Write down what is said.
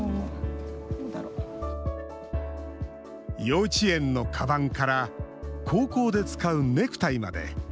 幼稚園のかばんから高校で使うネクタイまで。